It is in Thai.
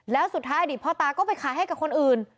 แล้วสุดท้ายอดีตพ่อตาก็ไปขายให้กับคนอื่น